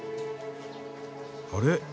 あれ？